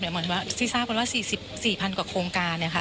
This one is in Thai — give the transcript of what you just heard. ที่ทราบว่า๔๔๐๐๐กว่าโครงการ